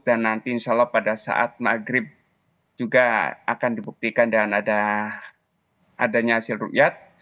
dan nanti insya allah pada saat maghrib juga akan dibuktikan dan adanya hasil rukyat